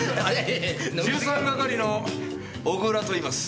１３係の小倉といいます。